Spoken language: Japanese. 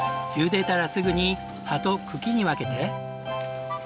茹でたらすぐに葉と茎に分けて。